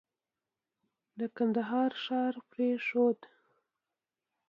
د کندهار ښار پرېښود.